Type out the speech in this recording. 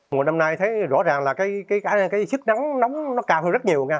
mùa năm nay thấy rõ ràng là cái sức nắng nóng nó cao hơn rất nhiều